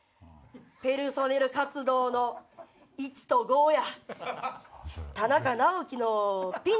『ペルソネル活動』の１と５や。